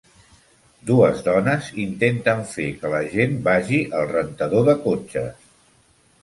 Dues dones intenten fer que la gent vagi al rentador de cotxes.